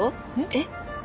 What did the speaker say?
えっ？